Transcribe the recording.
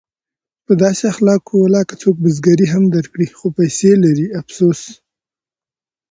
په داسې اخلاقو ولاکه څوک بزګري هم درکړي خو پیسې لري افسوس!